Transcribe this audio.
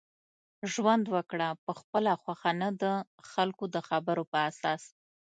ژوند وکړه په خپله خوښه نه دخلکو دخبرو په اساس